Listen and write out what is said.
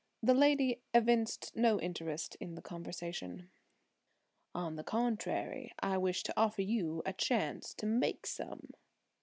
The lady evinced no interest in the conversation. "On the contrary, I wish to offer you a chance to make some."